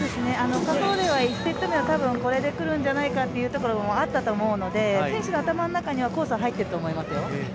１セット目ではこれでくるんじゃないかというところもあったので、選手の頭の中にはコースは入ってると思いますよ。